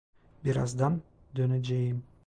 Birazdan döneceğim.